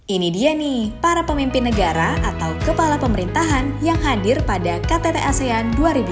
ini dia nih para pemimpin negara atau kepala pemerintahan yang hadir pada ktt asean dua ribu dua puluh